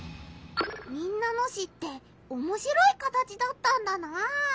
民奈野市っておもしろい形だったんだなあ。